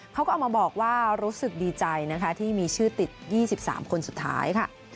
เขาก็เอามาบอกว่ารู้สึกดีใจนะคะที่มีชื่อติด๒๓คนสุดท้ายค่ะ